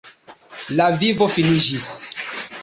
La vivo finiĝis.